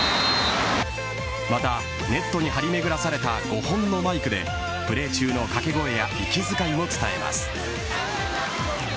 また、ネットに張り巡らされた５本のマイクでプレー中の掛け声や息遣いを伝えます。